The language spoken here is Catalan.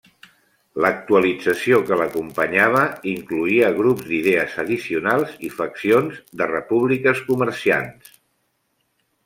L'actualització que l'acompanyava incloïa grups d'idees addicionals i faccions de Repúbliques Comerciants.